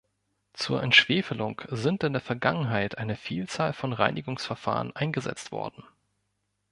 Zur Entschwefelung sind in der Vergangenheit eine Vielzahl von Reinigungsverfahren eingesetzt worden.